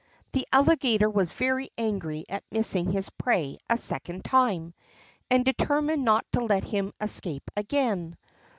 The Alligator was very angry at missing his prey a second time, and determined not to let him escape again.